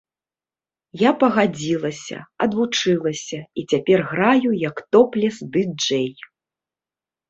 Я пагадзілася, адвучылася, і цяпер граю як топлес-дыджэй.